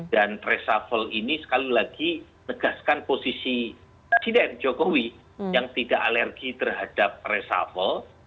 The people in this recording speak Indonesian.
dan reshuffle ini sekali lagi negaskan posisi presiden jokowi yang tidak alergi terhadap reshuffle